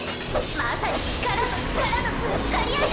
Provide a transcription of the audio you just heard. まさに力と力のぶつかり合いだ！